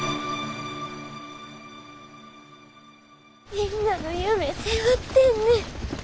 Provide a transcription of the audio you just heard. みんなの夢背負ってんねん。